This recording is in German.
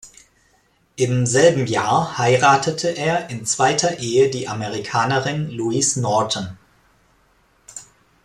Im selben Jahr heiratete er in zweiter Ehe die Amerikanerin Louise Norton.